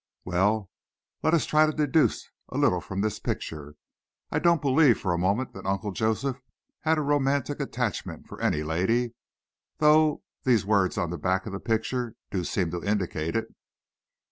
"Well, let us try to deduce a little from this picture. I don't believe for a moment, that Uncle Joseph had a romantic attachment for any lady, though these words on the back of the picture do seem to indicate it."